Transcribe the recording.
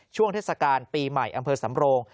ช่วงเทศกาลปีใหม่อำเภอสำโรง